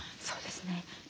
そうですね。